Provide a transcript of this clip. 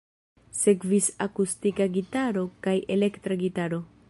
Sekvis akustika gitaro kaj elektra gitaro.